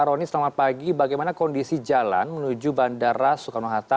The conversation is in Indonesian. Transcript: roni selamat pagi bagaimana kondisi jalan menuju bandara soekarno hatta